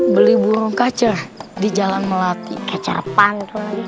beli burung kaca di jalan melati kacar pan tuh lagi